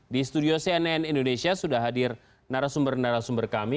di studio cnn indonesia sudah hadir narasumber narasumber kami